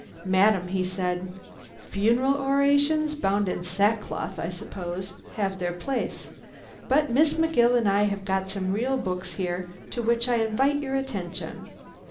"Madam," he said, "'Funeral Orations' (bound in sackcloth, I suppose?) have their place, but Miss McGill and I have got some real books here to which I invite your attention.